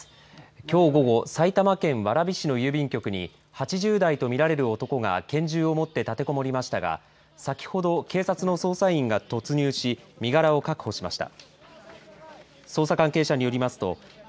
きょう午後埼玉県蕨市の郵便局に８０代と見られる男が拳銃を持って立てこもりましたが先ほど、警察の捜査員が突入し身柄を確保しました。